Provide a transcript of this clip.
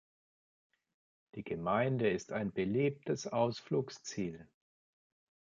Die Gemeinde ist ein beliebtes Ausflugsziel.